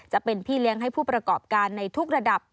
จะเป็นพี่เลี้ยงให้ผู้ประกอบการในทุกระดับ